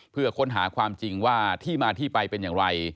เพื่อค้นหาความจริงว่าที่มาที่ไปเป็นอย่างไร